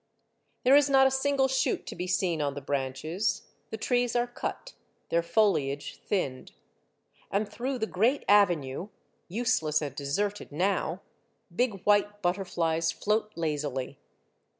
There is not a single shoot to be seen on the branches, the trees are cut, their foliage thinned. And through the great avenue, useless and deserted now, big white butterflies float lazily.